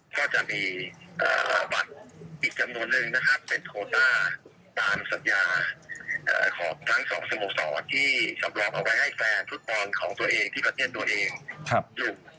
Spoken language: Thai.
ก็จะมีบัตรอีกจำนวนหนึ่งนะครับโคลต้าตามสัญญาของทั้งสองสโมสรที่สำรองเอาไว้ให้แฟนทุกรณ์ที่ประเทศตัวเอง